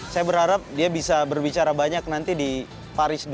saya berharap dia bisa berbicara banyak nanti di paris dua ribu dua puluh empat